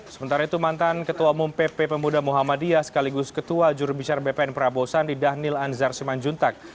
sementara itu mantan ketua umum pp pemuda muhammadiyah sekaligus ketua jurubisar bpn prabosan di dhanil anzar sumanjuntak